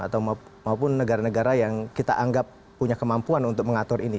atau maupun negara negara yang kita anggap punya kemampuan untuk mengatur ini